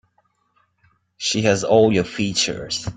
She has all your features.